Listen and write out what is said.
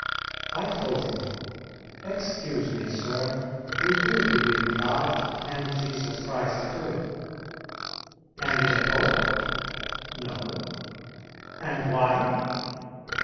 I told him, "Excuse me, sir. We do believe in God, and Jesus Christ, too." "And in the Pope?" "No." "And why?"